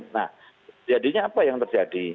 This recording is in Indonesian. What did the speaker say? nah jadinya apa yang terjadi